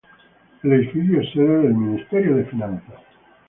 El edificio es sede del Ministerio de Finanzas.